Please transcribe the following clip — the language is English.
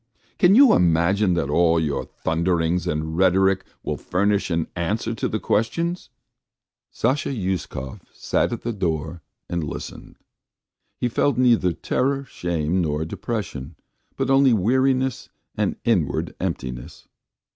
Can you imagine that all your thunderings and rhetoric will furnish an answer to the question?" Sasha Uskov sat at the door and listened. He felt neither terror, shame, nor depression, but only weariness and inward emptiness.